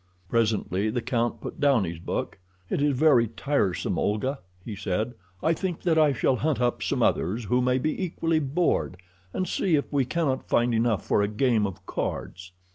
Presently the count put down his book. "It is very tiresome, Olga," he said. "I think that I shall hunt up some others who may be equally bored, and see if we cannot find enough for a game of cards."